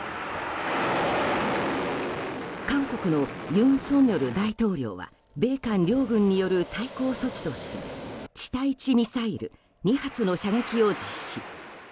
韓国の尹錫悦大統領は米韓両軍による対抗措置として地対地ミサイル２発の射撃を実施。